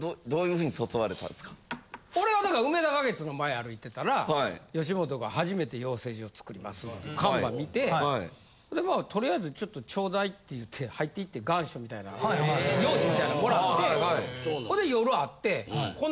俺はだからうめだ花月の前歩いてたら吉本が初めて養成所作りますっていう看板見てでまあとりあえずちょっとちょうだいって言って入って行って願書みたいなん用紙みたいなん貰ってほんで夜会って。